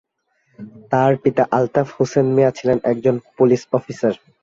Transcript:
তার পিতা আলতাফ হোসেন মিয়া ছিলেন একজন পুলিশ অফিসার।